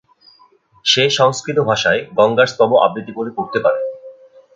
সে সংস্কৃতভাষায় গঙ্গার স্তব আবৃত্তি করে পড়তে পারে।